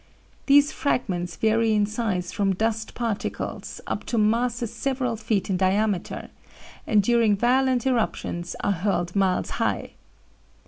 These fragments vary in size from dust particles up to masses several feet in diameter, and during violent eruptions are hurled miles high.